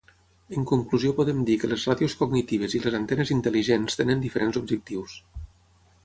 En conclusió podem dir que les ràdios cognitives i les antenes intel·ligents tenen diferents objectius.